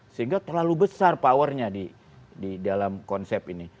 sehingga terlalu besar powernya di dalam konsep ini